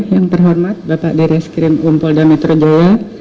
yang terhormat bapak dir skrim um polda metro jaya